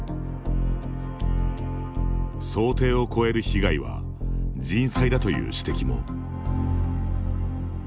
想定を超える被害は人災だという指摘も。